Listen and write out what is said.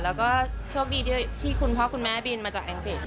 แล้วก็โชคดีที่คุณพ่อคุณแม่บินมาจากอังกฤษ